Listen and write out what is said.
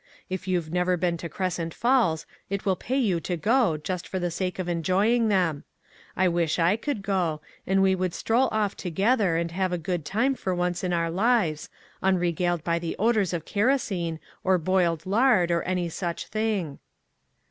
If you've never been to Crescent Falls it will pay you to go, just for the sake of enjoying them. I wish I could go, and we would stroll off together, and have a good time for once in our lives, unregaled by the odors of kero sene, or boiled lard, or any such thing."